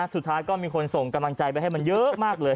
สุดท้ายก็มีคนส่งกำลังใจไปให้มันเยอะมากเลย